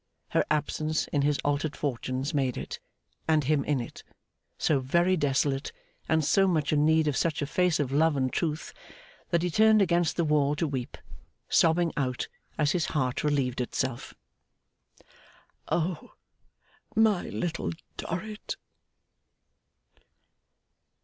Her absence in his altered fortunes made it, and him in it, so very desolate and so much in need of such a face of love and truth, that he turned against the wall to weep, sobbing out, as his heart relieved itself, 'O my Little Dorrit!